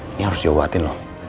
ini harus diobatin loh